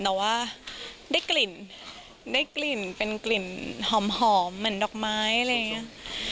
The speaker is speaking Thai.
แต่ว่าได้กลิ่นได้กลิ่นเป็นกลิ่นหอมเหมือนดอกไม้อะไรอย่างนี้